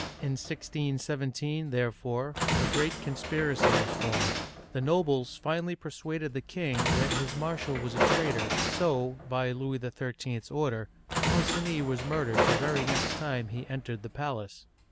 In 1617, therefore, a great conspiracy was formed ; the nobles finally persuaded the king that his marshal was a traitor, so, by Louis XIII. 's order, Concini was murdered the very next time he entered the palace.